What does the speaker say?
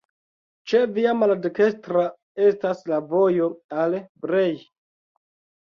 Ĉe via maldekstra estas la vojo al Brej.